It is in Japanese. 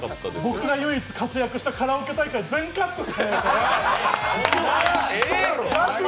僕が唯一活躍したカラオケ大会全カットでした。